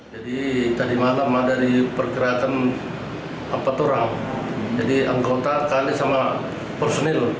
jadi tadi malam ada diperkerakan apa itu orang jadi anggota kali sama personil